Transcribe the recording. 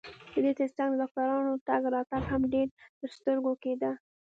د دې ترڅنګ د ډاکټرانو تګ راتګ هم ډېر ترسترګو کېده.